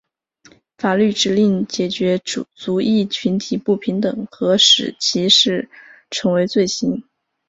法律指令解决族裔群体不平等和使歧视成为罪行。